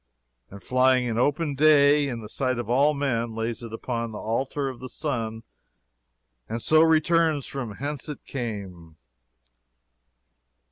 And flying in open day in the sight of all men, lays it upon the altar of the sun, and so returns from whence it came.